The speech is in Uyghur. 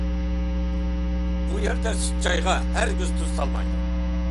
بۇ يەردە سۈت چايغا ھەرگىز تۈز سالمايدۇ.